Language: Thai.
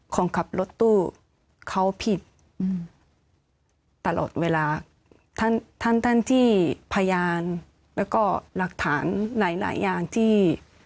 คนขับรถตู้เขาผิดตลอดเวลาท่านท่านที่พยานแล้วก็หลักฐานหลายหลายอย่างที่